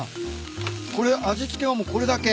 これ味付けはもうこれだけ？